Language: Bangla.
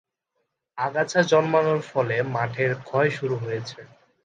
আগাছা জন্মানোর ফলে মঠের ক্ষয় শুরু হয়েছে।